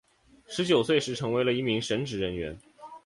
十九岁时成为了一名神职人员。